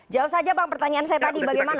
jawab saja bang pertanyaan saya tadi bagaimana